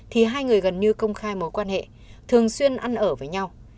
thì hai người gần như công khai mối quan hệ thường xuyên ăn ở với nhau